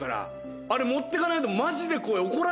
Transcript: あれ持ってかないとマジで怒られるよ。